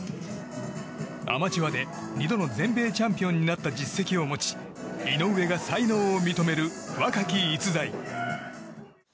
アマチュアで２度の全米チャンピオンになった実績を持ち井上が才能を認める若き逸材。